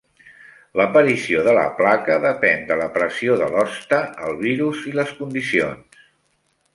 L'aparició de la placa depèn de la pressió de l'hoste, el virus i les condicions.